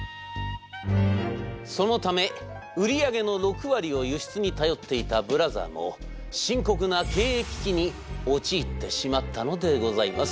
そのため売り上げの６割を輸出に頼っていたブラザーも深刻な経営危機に陥ってしまったのでございます。